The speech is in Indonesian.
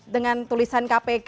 dengan tulisan kpk